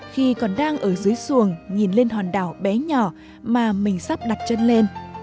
khi còn đang ở dưới xuồng nhìn lên hòn đảo bé nhỏ mà mình sắp đặt chân lên